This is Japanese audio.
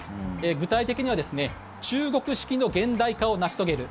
具体的には中国式の現代化を成し遂げる。